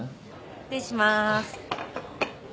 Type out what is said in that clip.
失礼します。